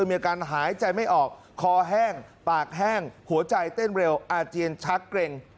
มีอาการหายใจไม่ออกคอแห้งปากแห้งหัวใจเต้นเร็วอาเจียนชักเกร็ง